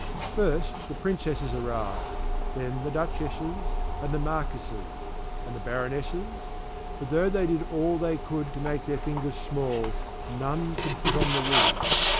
First the Princesses arrived, then the duchesses, and the marquises, and the baronesses; but though they did all they could to make their fingers small, none could put on the ring.